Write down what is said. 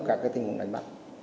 các cái tình huống đánh bắt